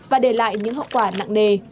và để lại những hậu quả nặng nề